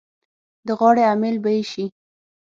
د غاړې امېل به یې شي.